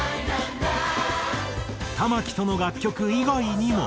玉置との楽曲以外にも。